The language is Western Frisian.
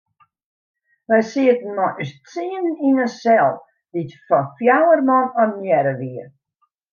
Wy sieten mei ús tsienen yn in sel dy't foar fjouwer man ornearre wie.